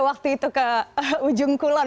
waktu itu ke ujung kulon